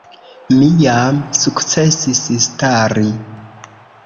Mi jam sukcesis stari.